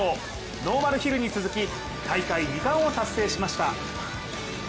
ノーマルヒルに続き大会２冠を達成しました。